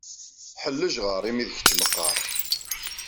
Ḥellejɣaṛ, imi d kečč meqqaṛ!